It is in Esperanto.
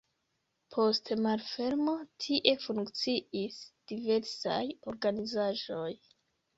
Post malfermo tie funkciis diversaj organizaĵoj.